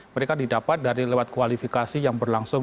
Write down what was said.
mereka didapat dari lewat kualifikasi yang berlangsung